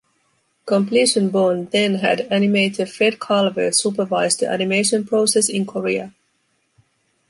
Completion Bond then had animator Fred Calvert supervise the animation process in Korea.